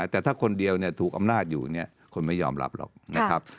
แต่ถ้าคนเดียวถูกอำนาจอยู่เนี่ยคนไม่ยอมรับหรอกนะครับ